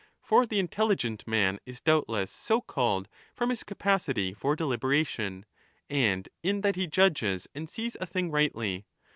For the intelligent man is doubtless so called from his capacity for delibera tion, and in that he judges and sees a thing rightly.